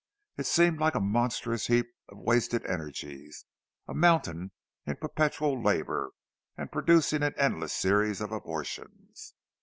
It seemed like a monstrous heap of wasted energies; a mountain in perpetual labour, and producing an endless series of abortions.